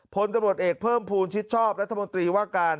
พนธนวจเอกเพิ่มภูลชิชชอบรัฐมตรีว่าการ